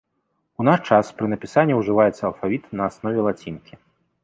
У наш час пры напісанні ўжываецца алфавіт на аснове лацінкі.